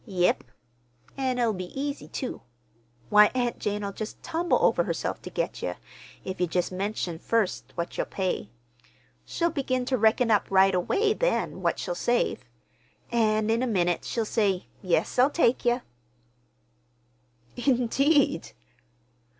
"Yep. An' it'll be easy, too. Why, Aunt Jane'll just tumble over herself ter get ye, if ye just mention first what yer'll pay. She'll begin ter reckon up right away then what she'll save. An' in a minute she'll say, 'Yes, I'll take ye.'" "Indeed!"